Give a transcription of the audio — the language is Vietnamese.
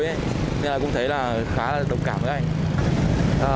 nên là cũng thấy là khá là độc cảm với anh